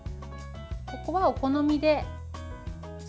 ここはお好みで。